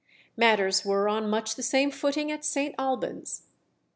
Matters were on much the same footing at St. Albans.